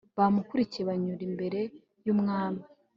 bamukurikiye banyura imbere y umwami